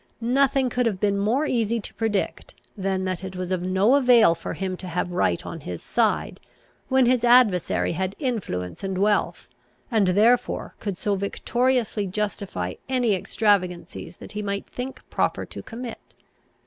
Nothing could have been more easy to predict, than that it was of no avail for him to have right on his side, when his adversary had influence and wealth, and therefore could so victoriously justify any extravagancies that he might think proper to commit.